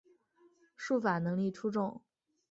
术法能力出众。